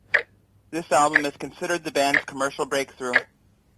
This album is considered the band's commercial breakthrough.